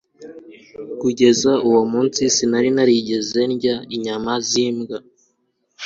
Kugeza uwo munsi sinari narigeze ndya inyama zimbwa